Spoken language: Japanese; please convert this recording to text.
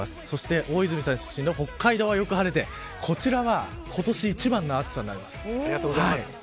そして、大泉さん出身の北海道はよく晴れてこちらは今年一番の暑さになります。